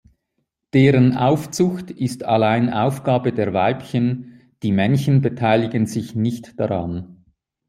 Deren Aufzucht ist allein Aufgabe der Weibchen, die Männchen beteiligen sich nicht daran.